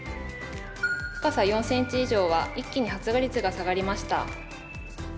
深さ４ｃｍ以上は一気に発芽率が下がりました。